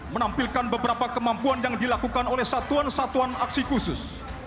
menampilkan beberapa kemampuan yang dilakukan oleh satuan satuan aksi khusus